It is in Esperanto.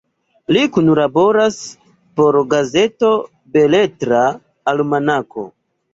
Li kunlaboras por gazeto Beletra Almanako.